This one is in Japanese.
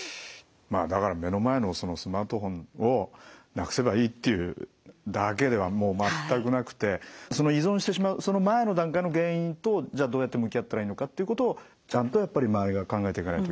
だから目の前のスマートフォンをなくせばいいっていうだけではもう全くなくてその依存してしまうその前の段階の原因とじゃあどうやって向き合ったらいいのかっていうことをちゃんとやっぱり周りが考えていかないといけないっていうことなんですね。